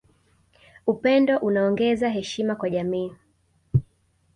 Upendo unaongeza heshima kwa jamii